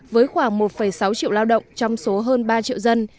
với khoảng một sáu triệu lao động trong số hơn ba triệu dân